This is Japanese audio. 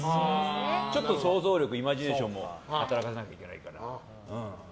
ちょっと想像力イマジネーションも働かせないとだから。